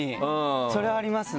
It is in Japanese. それはありますね！